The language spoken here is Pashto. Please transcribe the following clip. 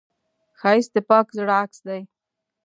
ښایست د پاک زړه عکس دی